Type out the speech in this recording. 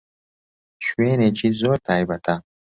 شوێنێکی زۆر تایبەتە.